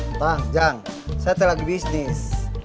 nah jangan saya lagi bisnis